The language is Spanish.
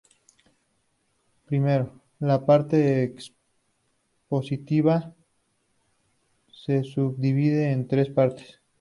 I.- La parte expositiva se subdivide en tres partes.